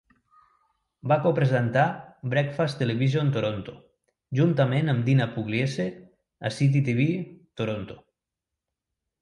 Va copresentar "Breakfast Television Toronto" juntament amb Dina Pugliese a Citytv Toronto.